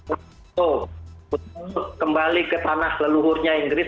untuk kembali ke tanah leluhurnya inggris